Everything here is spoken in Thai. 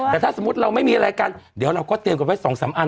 แต่ถ้าสมมุติเราไม่มีอะไรกันเดี๋ยวเราก็เตรียมกันไว้๒๓อัน